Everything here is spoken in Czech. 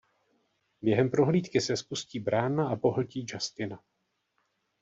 Během prohlídky se spustí brána a pohltí Justina.